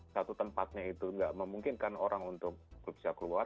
satu tempatnya itu tidak memungkinkan orang untuk bisa keluar